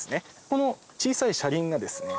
この小さい車輪がですね